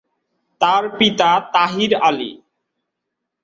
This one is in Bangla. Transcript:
তার পিতা তাহির আলী।